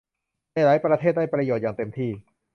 ในหลายประเทศได้ประโยชน์อย่างเต็มที่